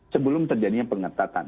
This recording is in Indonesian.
sebelum terjadinya pengetatan